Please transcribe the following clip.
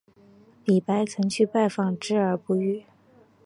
李白曾去拜访之而不遇。